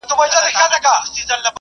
د ده په اشعارو کي پروت دی ,